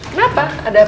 kenapa ada apa